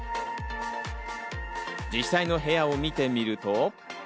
実際の部屋を見てみると。